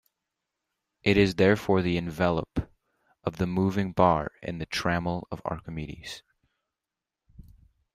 It is therefore the envelope of the moving bar in the Trammel of Archimedes.